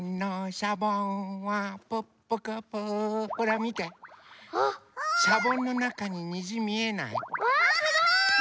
シャボンのなかににじみえない？わすごい！